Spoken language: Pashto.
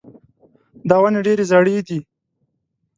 دا ونې ډېرې زاړې دي.